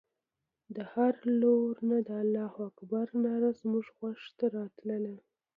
د هرې لور نه د الله اکبر ناره زموږ غوږو ته راتلله.